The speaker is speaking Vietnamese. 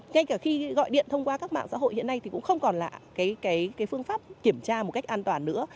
ngay cả khi gọi điện thông qua các mạng xã hội hiện nay thì cũng không còn là phương pháp kiểm tra một cách an toàn nữa